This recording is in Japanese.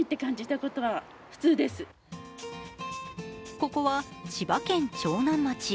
ここは千葉県長南町。